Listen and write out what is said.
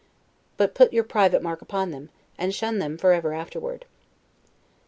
But put your private mark upon them, and shun them forever afterward.